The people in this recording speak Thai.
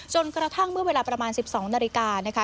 กระทั่งเมื่อเวลาประมาณ๑๒นาฬิกานะคะ